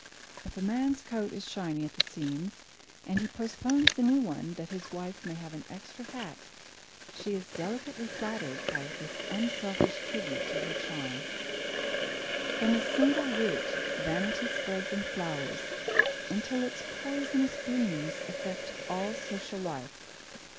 If a man's coat is shiny at the seams and he postpones the new one that his wife may have an extra hat, she is delicately flattered by this unselfish tribute to her charm. From a single root vanity spreads and flowers until its poisonous blooms affect all social life.